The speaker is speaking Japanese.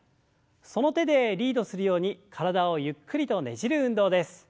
その手でリードするように体をゆっくりとねじる運動です。